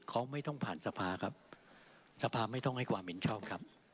เขาไม่ต้องผ่านสภาครับสภาไม่ต้องให้ความเห็นชอบครับ